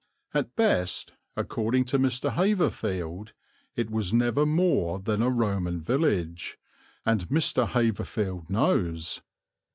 At best, according to Mr. Haverfield, it was never more than a Roman village; and Mr. Haverfield knows.